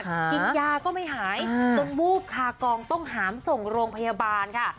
กินยาก็ไม่หายจนวูบคากองต้องหามส่งโรงพยาบาลค่ะ